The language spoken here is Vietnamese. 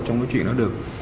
trong cái chuyện đó được